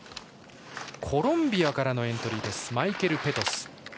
コロンビアからのエントリー、マイケル・ペトス。